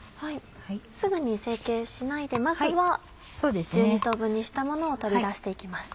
すぐに成形しないでまずは１２等分にしたものを取り出して行きます。